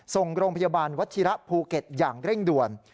ส่งโรงพยาบาลวัชิระภูเก็ตอย่างเร่งด่วน